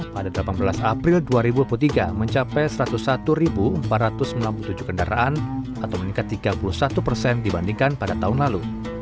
pada delapan belas april dua ribu dua puluh tiga mencapai satu ratus satu empat ratus sembilan puluh tujuh kendaraan atau meningkat tiga puluh satu persen dibandingkan pada tahun lalu